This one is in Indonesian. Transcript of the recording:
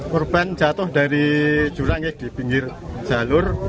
korban jatuh dari jurangnya di pinggir jalur